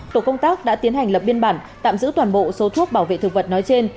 tổ công tác đã tiến hành lập biên bản tạm giữ toàn bộ số thuốc bảo vệ thực vật nói trên